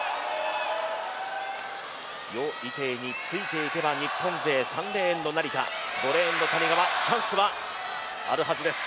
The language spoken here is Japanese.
余依テイについていけば日本勢３レーンの成田、５レーンの谷川チャンスはあるはずです。